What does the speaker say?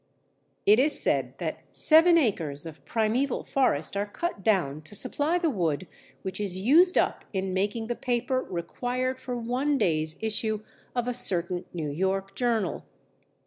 It is said that seven acres of primeval forest are cut down to supply the wood which is used up in making the paper required for one day's issue of a certain New York journal.